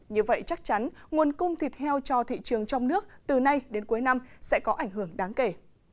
như vậy chắc chắn nguồn cung thịt heo cho thị trường trong nước từ nay đến cuối năm sẽ có ảnh hưởng đáng kể